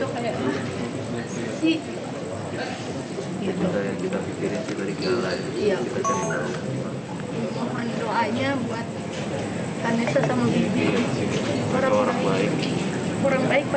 orang baik pasangnya seru